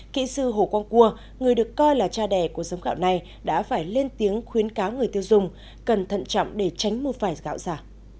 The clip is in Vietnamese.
kỹ sư hồ quang cua người được coi là cha đẻ của giống gạo này đã phải lên tiếng khuyến cáo người tiêu dùng cẩn thận trọng để tránh mua phải gạo giả